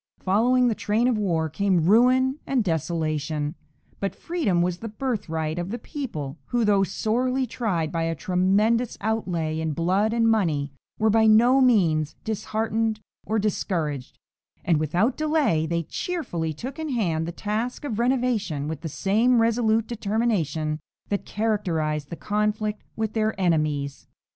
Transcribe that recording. Following the train of war came ruin and desolation, but freedom was the birthright of the people, who, though sorely tried by a tremendous outlay in blood and money, were by no means disheartened or discouraged, and without delay they cheerfully took in hand the task of renovation with the same resolute determination that characterized the conflict with their enemies.